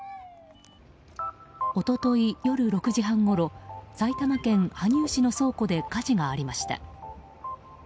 一昨日夜６時半ごろ埼玉県羽生市の倉庫で火事がありました。